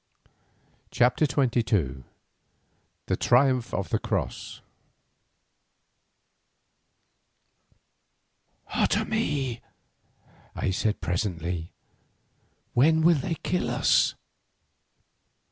CHAPTER XXII THE TRIUMPH OF THE CROSS "Otomie," I said presently, "when will they kill us?"